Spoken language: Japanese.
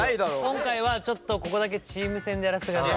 今回はちょっとここだけチーム戦でやらせてください。